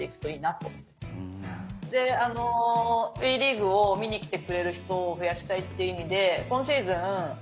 ＷＥリーグを見に来てくれる人を増やしたいっていう意味で今シーズン